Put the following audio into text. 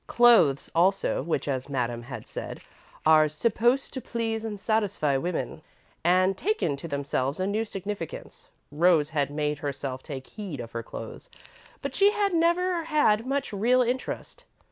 Clothes, also, which, as Madame had said, are "supposed to please and satisfy women," had taken to themselves a new significance. Rose had made herself take heed of her clothes, but she had never had much real interest.